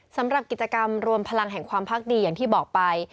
สำหรับกิจกรรมรวมพลังแห่งความพักดีอย่างที่บอกไป